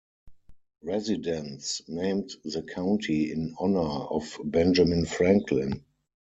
Residents named the county in honor of Benjamin Franklin.